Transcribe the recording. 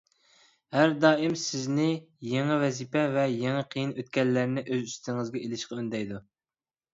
ھەر دائىم سىزنى يېڭى ۋەزىپە ۋە يېڭى قىيىن ئۆتكەللەرنى ئۆز ئۈستىڭىزگە ئېلىشقا ئۈندەيدۇ.